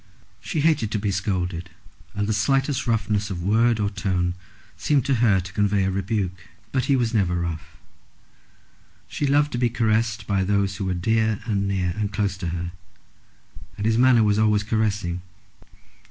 She hated to be scolded, and the slightest roughness of word or tone seemed to her to convey a rebuke. But he was never rough. She loved to be caressed by those who were dear and near and close to her, and his manner was always caressing.